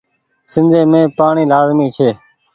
سندي مين پآڻيٚ لآزمي ڇي۔